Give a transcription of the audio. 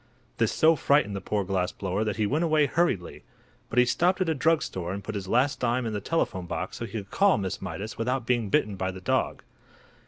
This so frightened the poor glass blower that he went away hurriedly. But he stopped at a drug store and put his last dime in the telephone box so he could talk to Miss Mydas without being bitten by the dog.